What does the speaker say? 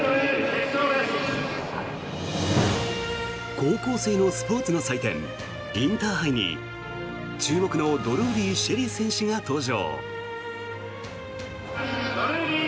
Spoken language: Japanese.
高校生のスポーツの祭典インターハイに注目のドルーリー朱瑛里選手が登場。